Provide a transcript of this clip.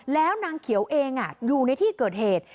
แล้วนางเขียวเองอยู่ในที่เกิดเหตุ